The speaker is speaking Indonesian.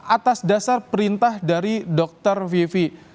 atas dasar perintah dari dr pipi